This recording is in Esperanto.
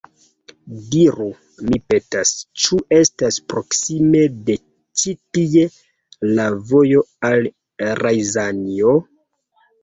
Diru, mi petas, ĉu estas proksime de ĉi tie la vojo al Rjazanjo?